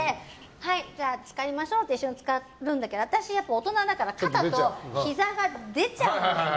はい、じゃあ浸かりましょうって一緒に浸かるんだけど私は大人だから肩とひざが出ちゃうんですよね。